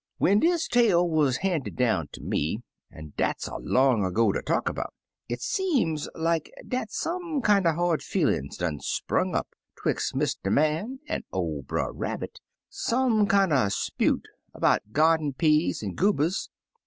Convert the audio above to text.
"When dis tale wuz handed down ter mc — an' dat 'uz too long agp ter talk about — it seem like dat some kinder hard feelin's done sprung up 'twix' Mr. Man an' ol' Brer Rabbit, some kinder 'sputc 'bout gyarden peas, an' goobas.